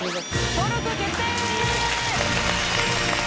登録決定！